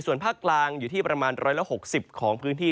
ส่วนภาคกลางอยู่ที่ประมาณ๑๖๐ของพื้นที่